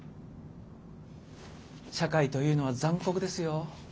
社会というのは残酷ですよ。